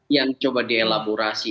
yang coba dielaborasi